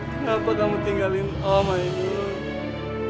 kenapa kamu tinggalin om ainul